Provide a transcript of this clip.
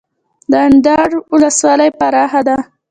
د اندړ ولسوالۍ پراخه ده